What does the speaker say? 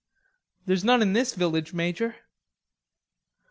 "There's none in this village, Major."